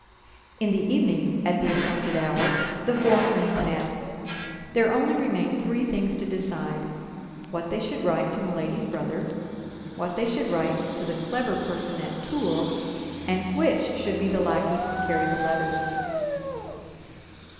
In the evening, at the appointed hour, the four friends met. There only remained three things to decide—what they should write to Milady's brother; what they should write to the clever person at Tours; and which should be the lackeys to carry the letters.